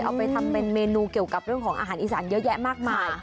เอาไปทำเป็นเมนูเกี่ยวกับเรื่องของอาหารอีสานเยอะแยะมากมาย